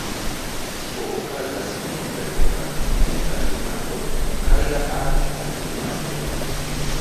Tio okazas vintre en la kontinenta klimato kaj la arkta klimato.